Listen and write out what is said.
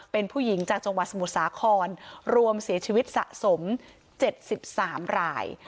เป็นผู้หญิงจากจังหวัดสมุทรสาครรวมเสียชีวิตสะสม๗๓ราย